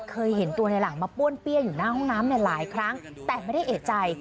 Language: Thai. เคยเห็นตัวในหลังมาป้วนเปี้ยอยู่หน้าห้องน้ำเนี่ยหลายครั้งแต่ไม่ได้เอกใจ